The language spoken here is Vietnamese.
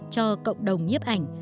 cho cộng đồng nhếp ảnh